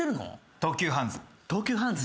東急ハンズ。